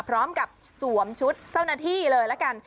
พร้อมกับสวมชุดเจ้าหน้าที่เลยละกัน